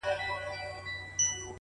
خو مخته دي ځان هر ځلي ملنگ در اچوم.